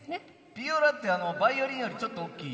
ヴィオラってあのヴァイオリンよりちょっと大きい。